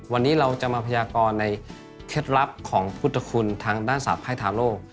วันนี้เราจะมาพยากรในเคล็ดลับของพุทธคุณทางด้านศาสตไพ่ทาโลก